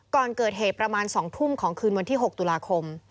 ก่อนเกิดเหตุประมาณ๒ทุ่มของคืนวันที่๖ตุลาคม